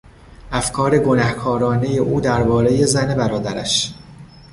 افکار گنهکارانهی او دربارهی زن برادرش